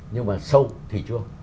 nhưng mà sâu thì chưa